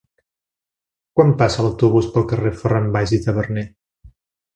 Quan passa l'autobús pel carrer Ferran Valls i Taberner?